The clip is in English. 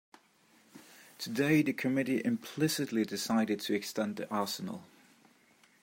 Today the committee implicitly decided to extend the arsenal.